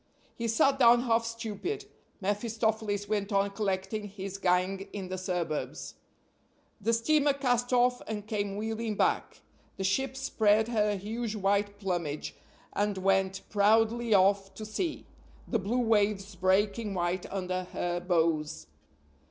He sat down half stupid; mephistopheles went on collecting his gang in the suburbs. The steamer cast off and came wheeling back; the ship spread her huge white plumage, and went proudly off to sea, the blue waves breaking white under her bows.